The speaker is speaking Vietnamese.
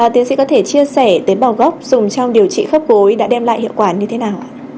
tiến sĩ có thể chia sẻ tế bào gốc dùng trong điều trị khớp gối đã đem lại hiệu quả như thế nào ạ